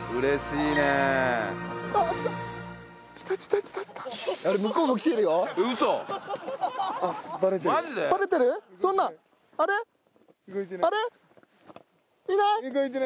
いない。